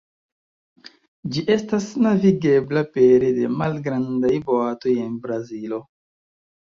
Ĝi estas navigebla pere de malgrandaj boatoj en Brazilo.